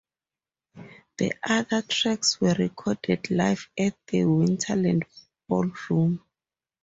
The other tracks were recorded live at the Winterland Ballroom.